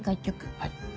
はい。